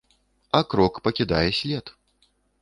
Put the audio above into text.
А крок пакідае след.